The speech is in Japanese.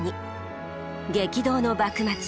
激動の幕末。